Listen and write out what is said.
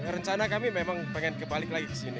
rencana kami memang pengen kebalik lagi ke sini